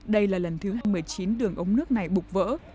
đây là lần thứ hai mươi chín đường ống nước này bục vỡ